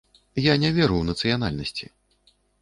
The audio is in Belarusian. Я не веру ў нацыянальнасці.